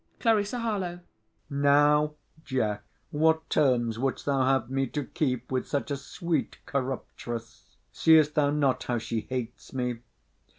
CLARISSA HARLOWE. Now, Jack, what terms wouldst thou have me to keep with such a sweet corruptress? Seest thou not how she hates me?